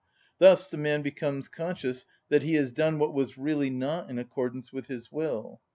Thus the man becomes conscious that he has done what was really not in accordance with his will.